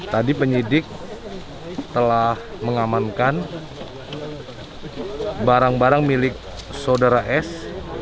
tadi penyidik telah mengamankan barang barang milik saudara s